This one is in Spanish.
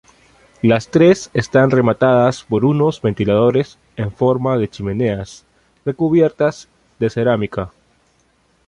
Las tres están rematadas por unos ventiladores en forma de chimeneas, recubiertas de cerámica.